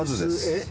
えっ？